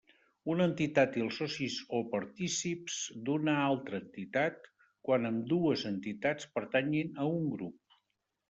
Una entitat i els socis o partícips d'una altra entitat, quan ambdues entitats pertanyin a un grup.